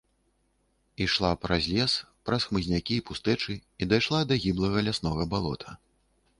Ішла праз лес, праз хмызнякі і пустэчы і дайшла да гіблага ляснога балота.